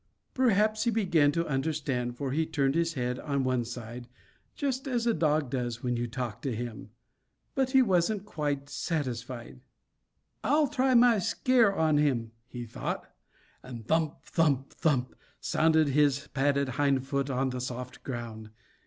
Perhaps he began to understand, for he turned his head on one side, just as a dog does when you talk to him. But he wasn't quite satisfied. "I'll try my scare on him," he thought; and thump! thump! thump! sounded his padded hind foot on the soft ground.